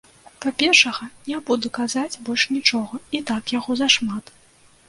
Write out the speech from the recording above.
Пра першага не буду казаць больш нічога, і так яго зашмат.